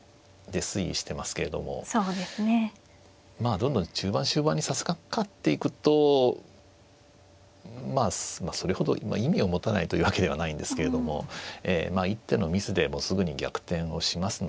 どんどん中盤終盤にさしかかっていくとそれほどまあ意味を持たないというわけではないんですけれども一手のミスですぐに逆転をしますのでね。